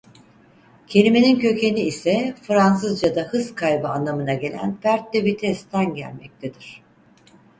Kelimenin kökeni ise Fransızca'da hız kaybı anlamına gelen "perte de vitesse"den gelmektedir.